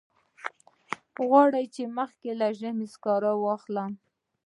غواړم چې مخکې له ژمي سکاره واخلم.